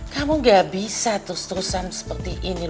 kamu nggak bisa terus terusan seperti ini lho